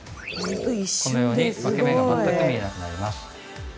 このように分け目が全く見えなくなります。